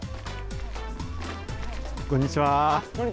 こんにちは。